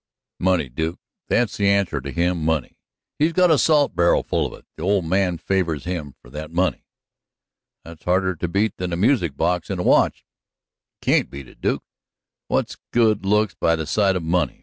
"Money, Duke; that's the answer to him money. He's got a salt barrel full of it; the old man favors him for that money." "That's harder to beat than a music box in a watch." "You can't beat it, Duke. What's good looks by the side of money?